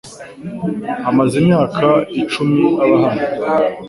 Amaze imyaka icumi aba hano